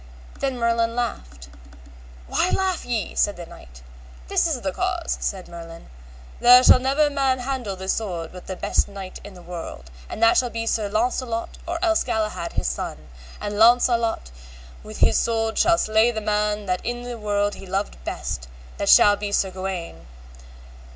Then Merlin laughed. Why laugh ye? said the knight. This is the cause, said Merlin: there shall never man handle this sword but the best knight of the world, and that shall be Sir Launcelot or else Galahad his son, and Launcelot with this sword shall slay the man that in the world he loved best, that shall be Sir Gawaine.